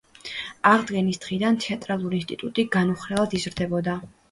აღდგენის დღიდან თეატრალური ინსტიტუტი განუხრელად იზრდებოდა.